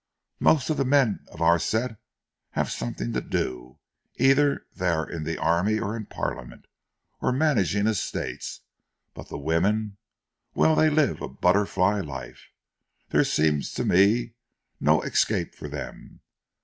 "Most of the men of our set have something to do! Either they are in the army, or in Parliament, or managing estates, but the women well, they live a butterfly life. There seems to me no escape for them.